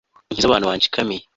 unkize abantu banshikamiye